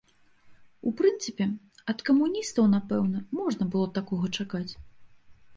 У прынцыпе, ад камуністаў, напэўна, можна было такога чакаць.